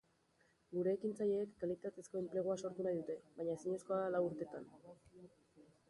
Gure ekintzaileek kalitatezko enplegua sortu nahi dute, baina ezinezkoa da lau urtetan.